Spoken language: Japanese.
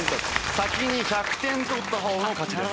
先に１００点とった方の勝ちです。